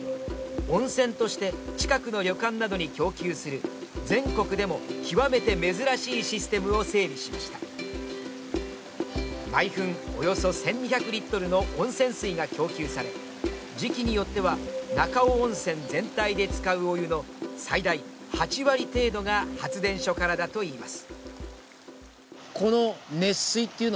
温泉として、近くの旅館などに供給する全国でも極めて珍しいシステムを整備しました毎分およそ１２００Ｌの温泉水が供給され、時期によっては中尾温泉全体で使うお湯の最大８割程度が発電所からだといいます。